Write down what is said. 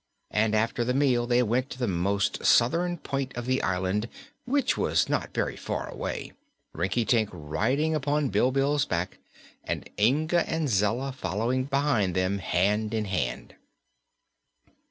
And after the meal they went to the most southern point of the island, which was not very far away, Rinkitink riding upon Bilbil's back and Inga and Zella following behind them, hand in hand.